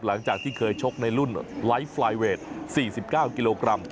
หลังจากที่เคยชกในรุ่นไลฟ์ไฟล์เวท๔๙กิโลกรัม